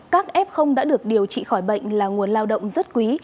các f đã được điều trị khỏi bệnh là nguồn lao động rất quý